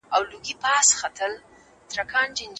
کله به کلیوال ځوانان له ښارونو سره مساوي فرصتونه ولري؟